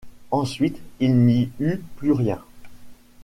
Ensuite, il n’y eut plus rien.